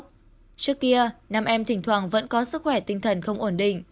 trước kia năm em thỉnh thoảng vẫn có sức khỏe tinh thần không ổn định